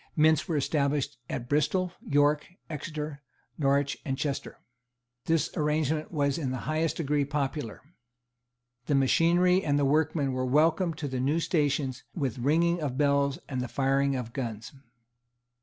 Mints were established at Bristol, York, Exeter, Norwich and Chester. This arrangement was in the highest degree popular. The machinery and the workmen were welcomed to the new stations with the ringing of bells and the firing of guns.